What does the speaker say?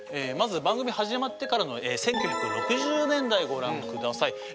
まず番組始まってからの１９６０年代ご覧下さい。